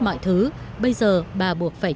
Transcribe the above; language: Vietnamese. mọi thứ bây giờ bà buộc phải